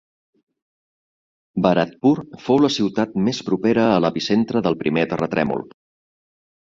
Bharatpur fou la ciutat més propera a l'epicentre del primer terratrèmol.